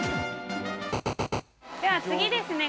では、次ですね。